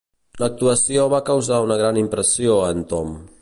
L'actuació va causar una gran impressió a en Tom.